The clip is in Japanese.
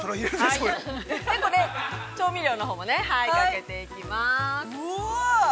調味料のほうもかけていきます。